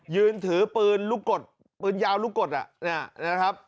ยืนถือปืนรุกกฎปืนยาวรุกกฎนี่นะครับ